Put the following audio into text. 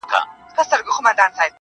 کلونه کیږي چي مي هېره ده د یار کوڅه~